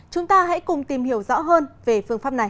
chúng ta hãy cùng tìm hiểu rõ hơn về phương pháp này